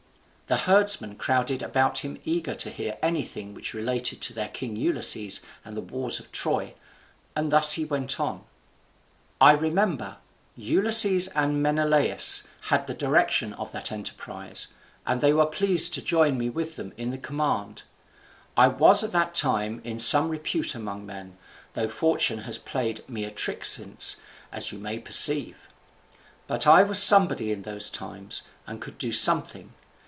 The herdsmen crowded about him eager to hear anything which related to their king Ulysses and the wars of Troy, and thus he went on: "I remember, Ulysses and Menelaus had the direction of that enterprise, and they were pleased to join me with them in the command. I was at that time in some repute among men, though fortune has played me a trick since, as you may perceive. But I was somebody in those times, and could do something.